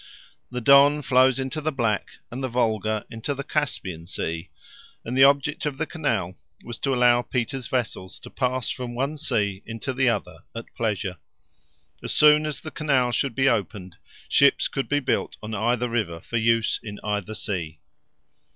The Don flows into the Black and the Wolga into the Caspian Sea, and the object of the canal was to allow Peter's vessels to pass from one sea into the other at pleasure. As soon as the canal should be opened, ships could be built on either river for use in either sea.